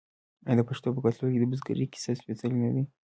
آیا د پښتنو په کلتور کې د بزګرۍ کسب سپیڅلی نه دی؟